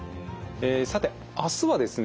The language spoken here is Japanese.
さて明日はですね